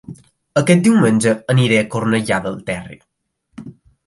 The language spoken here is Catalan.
Aquest diumenge aniré a Cornellà del Terri